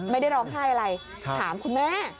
ไม่ได้ร้องไห้อะไรถามคุณแม่